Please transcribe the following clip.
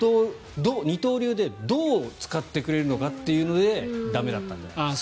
二刀流でどう使ってくれるのかというので駄目だったんじゃないですか？